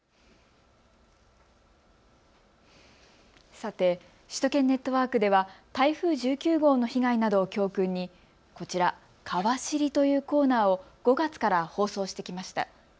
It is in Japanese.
さて、首都圏ネットワークでは台風１９号の被害などを教訓にこちら、かわ知りというコーナーを５月から放送してきました。